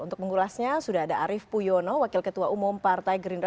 untuk mengulasnya sudah ada arief puyono wakil ketua umum partai gerindra